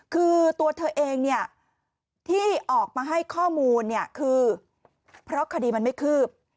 คือตัวเธอเองเนี่ยที่ออกมาให้ข้อมูลเนี่ยคือเพราะคดีมันไม่คืบ